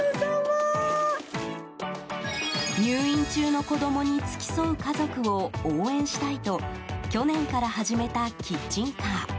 入院中の子供に付き添う家族を応援したいと去年から始めたキッチンカー。